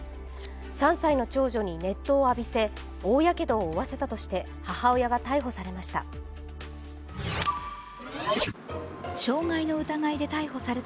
３歳の長女に熱湯を浴びせ、大やけどを負わせたとして母親が逮捕されました。